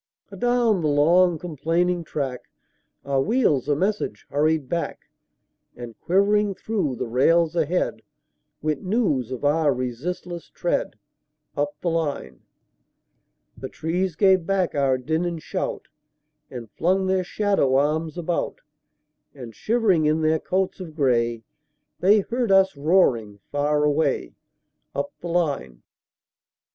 Adown the long, complaining track, Our wheels a message hurried back; And quivering through the rails ahead, Went news of our resistless tread, Up the line. The trees gave back our din and shout, And flung their shadow arms about; And shivering in their coats of gray, They heard us roaring far away, Up the line.